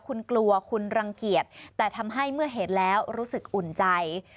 คุณกลัวคุณรังเกียจแต่ทำให้เมื่อเห็นแล้วรู้สึกอุ่นใจ